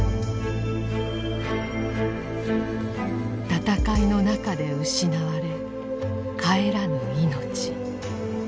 戦いの中で失われ帰らぬ命。